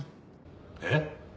えっ！？